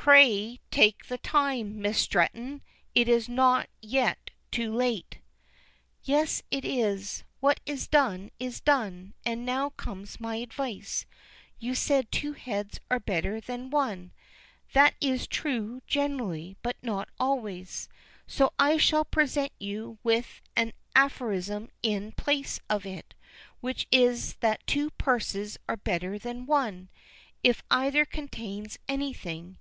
"Pray take the time, Miss Stretton; it is not yet too late." "Yes, it is. What is done, is done, and now comes my advice. You said two heads are better than one. That is true generally, but not always, so I shall present you with an aphorism in place of it, which is that two purses are better than one, if either contains anything.